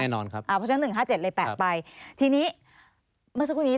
นะครับ